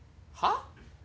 はっ？